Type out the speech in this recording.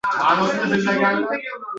Yondiraman birinchisini